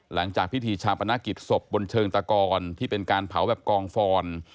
หลังจากพิธีชาปนกิจศพบนเชิงตะกอนที่เป็นการเผาแบบกองฟอน